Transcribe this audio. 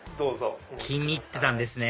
気に入ってたんですね